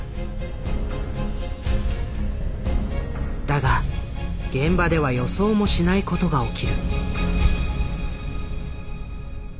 だが現場では予想もしないことが起きる。